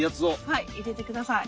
はい入れて下さい。